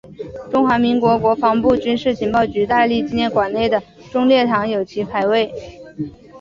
中华民国国防部军事情报局戴笠纪念馆内的忠烈堂有其牌位。